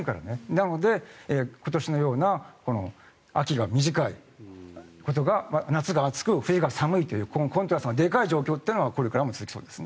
なので今年のような秋が短いことが夏が暑く、冬が寒いというコントラストがでかい状況というのはこれからも続きそうです。